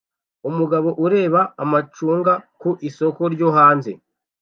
Umugabo ureba amacunga ku isoko ryo hanze